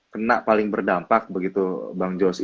kena paling berdampak begitu bang josi